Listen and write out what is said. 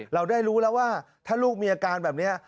เราได้รู้แล้วว่าถ้าลูกมีอาการแบบนี้